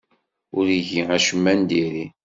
Ur igi acemma n diri.